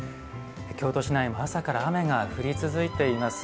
京都市内は朝から雨が降り続いています。